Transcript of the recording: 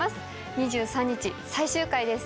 ２３日最終回です。